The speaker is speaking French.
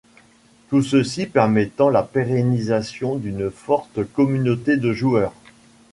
Tout ceci permettant la pérennisation d'une forte communauté de joueurs.